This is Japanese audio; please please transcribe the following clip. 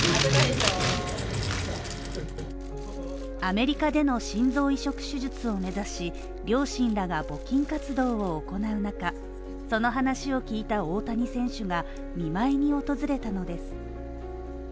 アメリカでの心臓移植手術を目指し、両親らが募金活動を行う中、その話を聞いた大谷選手が見舞いに訪れたのです。